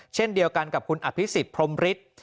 เช่นเดียวกันกับคุณอภิษฎพรมฤทธิ์